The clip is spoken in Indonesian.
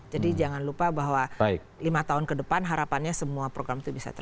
jadi jangan lupa bahwa lima tahun ke depan harapannya semua program itu bisa terlalu